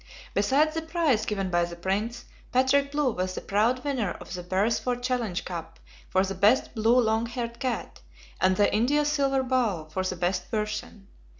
Besides the prize given by the Prince, Patrick Blue was the proud winner of the Beresford Challenge Cup for the best blue long haired cat, and the India Silver Bowl for the best Persian.